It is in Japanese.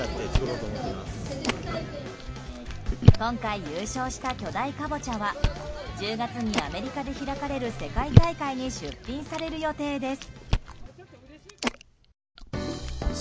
今回優勝した巨大カボチャは１０月にアメリカで開かれる世界大会に出品される予定です。